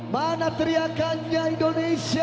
mana teriakannya indonesia